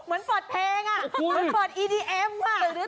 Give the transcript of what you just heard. เหมือนเปิดเพลงอ่ะเหมือนเปิดอีดีเอ็มอ่ะ